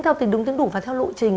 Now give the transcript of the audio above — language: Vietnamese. theo tính đúng tính đủ và theo lộ trình